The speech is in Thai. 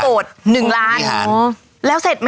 แล้วเสร็จไหมฮะ